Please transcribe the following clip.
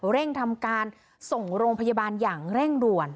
เร่งทำการส่งโรงพยาบาลอย่างเร่งด่วน